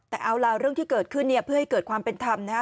แต่เอาล่ะเรื่องที่เกิดขึ้นเนี่ยเพื่อให้เกิดความเป็นธรรมนะฮะ